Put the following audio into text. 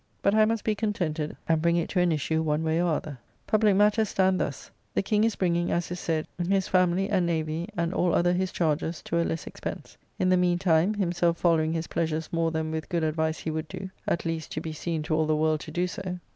But I must be contented and bring it to an issue one way or other. Publique matters stand thus: The King is bringing, as is said, his family, and Navy, and all other his charges, to a less expence. In the mean time, himself following his pleasures more than with good advice he would do; at least, to be seen to all the world to do so.